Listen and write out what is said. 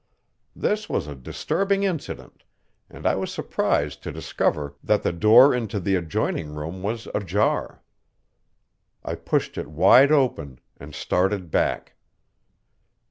This was a disturbing incident, and I was surprised to discover that the door into the adjoining room was ajar. I pushed it wide open, and started back.